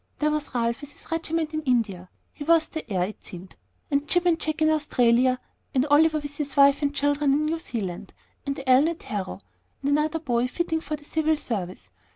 There was Ralph with his regiment in India, he was the heir, it seemed, and Jim and Jack in Australia, and Oliver with his wife and children in New Zealand, and Allen at Harrow, and another boy fitting for the civil service.